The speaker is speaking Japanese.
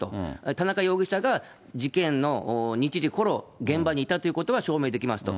田中容疑者が事件の日時ころ、現場にいたってことは証明できますと。